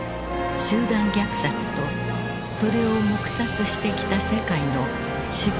集団虐殺とそれを黙殺してきた世界の失敗の物語である。